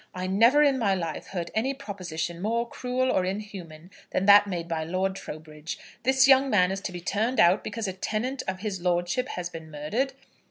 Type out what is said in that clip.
I never in my life heard any proposition more cruel or inhuman than that made by Lord Trowbridge. This young man is to be turned out because a tenant of his lordship has been murdered!